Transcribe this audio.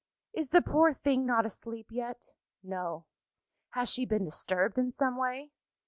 "Is the poor thing not asleep yet?" "No." "Has she been disturbed in some way?"